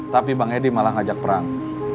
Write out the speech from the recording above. tapi bang edi malah ngajak perang